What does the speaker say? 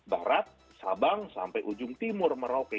barat sabang sampai ujung timur merauke